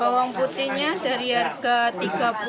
bawang merahnya dari harga rp tiga puluh empat